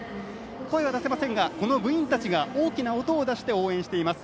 声は出せませんがこの部員たちが大きな音を出して応援しています。